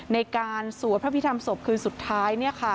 ในการสวดพระพิธรรมศพคืนสุดท้าย